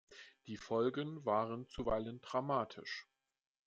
Die Folgen waren zuweilen dramatisch.